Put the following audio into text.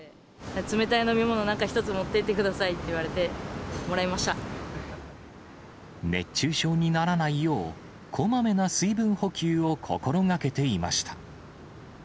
冷たい飲み物なんか１つ持っていってくださいって言われても熱中症にならないよう、こまめな水分補給を心がけていました。